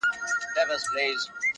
• لوستونکي پرې بحثونه کوي ډېر ژر..